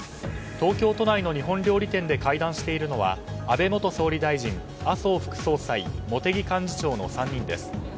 東京都内の日本料理店で会談しているのは安倍元総理、麻生副総裁茂木幹事長の３人です。